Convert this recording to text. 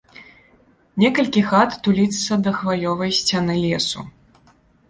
Некалькі хат туліцца да хваёвай сцяны лесу.